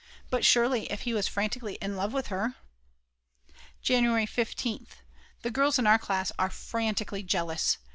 But surely if he was frantically in love with her ... January 1 5th. The girls in our class are frantically jealous.